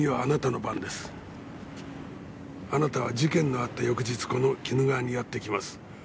あなたは事件のあった翌日この鬼怒川にやって来ます。